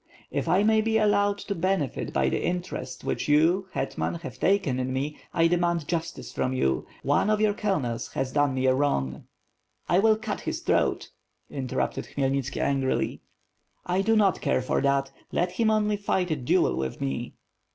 "If I may be allowed to benefit by the interest which you, hetman, have taken in me, I demand justice from you. One of your colonels has done me a wrong ..." "I will cut his throat!" interrupted Khmyelnitski, angrily. "I do not care for that; let him only fight a duel with me."